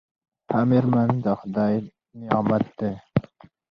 ښه میرمن د خدای نعمت دی.